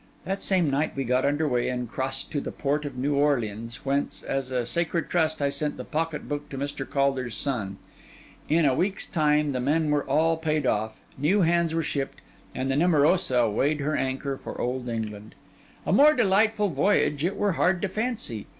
That same night we got under way and crossed to the port of New Orleans, whence, as a sacred trust, I sent the pocket book to Mr. Caulder's son. In a week's time, the men were all paid off; new hands were shipped; and the Nemorosa weighed her anchor for Old England. A more delightful voyage it were hard to fancy.